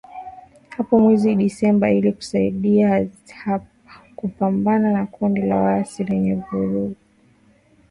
hapo mwezi Disemba ili kusaidia kupambana na kundi la waasi lenye vurugu